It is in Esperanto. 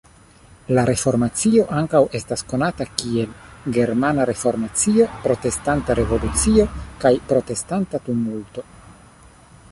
La Reformacio ankaŭ estas konata kiel "Germana Reformacio", "Protestanta Revolucio" kaj "Protestanta Tumulto".